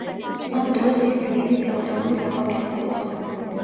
ამ დროს ის ძლიერი ფეოდალური სახელმწიფო იყო.